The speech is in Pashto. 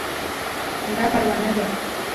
دا پروانه ده